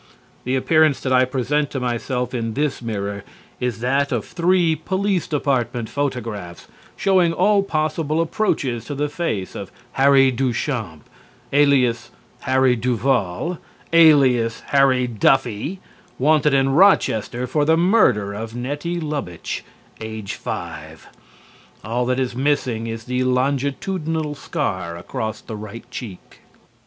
The appearance that I present to myself in this mirror is that of three police department photographs showing all possible approaches to the face of Harry DuChamps, alias Harry Duval, alias Harry Duffy, wanted in Rochester for the murder of Nettie Lubitch, age 5. All that is missing is the longitudinal scar across the right cheek.